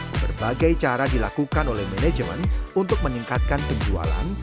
berbagai cara dilakukan oleh manajemen untuk meningkatkan penjualan